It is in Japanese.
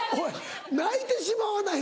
泣いてしまわない？